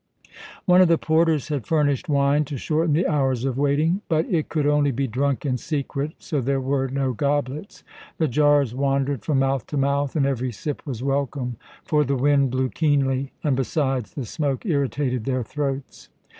One of the porters had furnished wine to shorten the hours of waiting; but it could only be drunk in secret, so there were no goblets. The jars wandered from mouth to mouth, and every sip was welcome, for the wind blew keenly, and besides, the smoke irritated their throats.